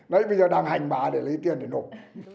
đấy bây giờ đang hành bà để lấy tiền để nộp